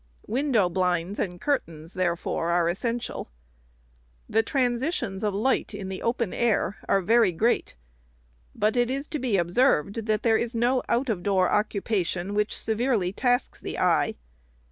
Window blinds and curtains, therefore, are essential. The transi tions of light in the open air are very great ; but it is to be observed, that there is no out of door occupation which severely tasks the eye.